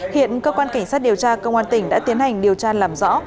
hiện cơ quan cảnh sát điều tra công an tỉnh đã tiến hành điều tra làm rõ